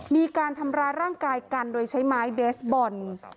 มีการทำร้ายร่างกายกันโดยใช้ไม้เบสบอล